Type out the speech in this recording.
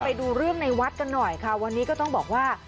ไปดูเรื่องในวัดกันหน่อยค่ะวันนี้ก็ต้องบอกว่า